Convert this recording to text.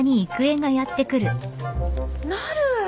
なる！